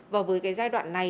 và với cái giai đoạn này